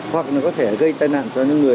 hoặc là có thể gây tai nạn cho những người